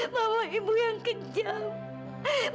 mama ibu yang kejam